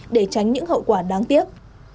để tránh những hậu quả đáng tiếc